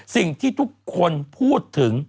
สิ่งที่ทุกคนพูดถึง